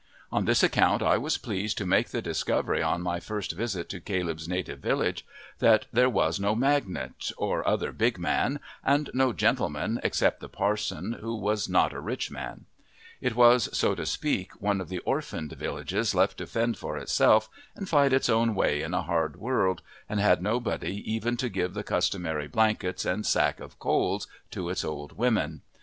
On this account I was pleased to make the discovery on my first visit to Caleb's native village that there was no magnate, or other big man, and no gentleman except the parson, who was not a rich man. It was, so to speak, one of the orphaned villages left to fend for itself and fight its own way in a hard world, and had nobody even to give the customary blankets and sack of coals to its old women.